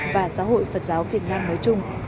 và giáo hội phật giáo việt nam nói chung